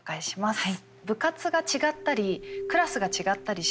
はい。